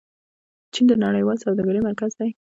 چین د نړیوالې سوداګرۍ مرکز دی.